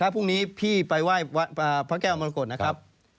พรุ่งนี้พี่ไปไหว้พระแก้วมรกฏนะครับ